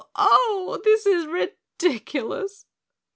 Oh! This is ridiculous!"